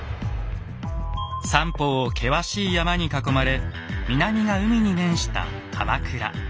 三方を険しい山に囲まれ南が海に面した鎌倉。